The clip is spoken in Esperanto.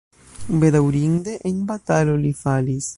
Bedaŭrinde en batalo li falis.